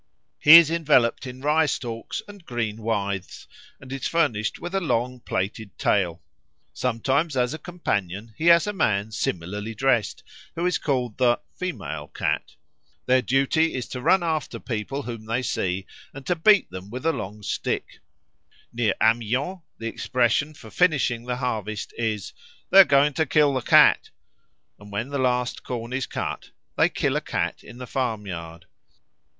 He is enveloped in rye stalks and green withes, and is furnished with a long plaited tail. Sometimes as a companion he has a man similarly dressed, who is called the (female) Cat. Their duty is to run after people whom they see and to beat them with a long stick. Near Amiens the expression for finishing the harvest is, "They are going to kill the Cat"; and when the last corn is cut they kill a cat in the farmyard.